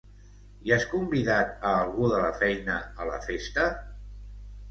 Hi has convidat a algú de la feina, a la festa?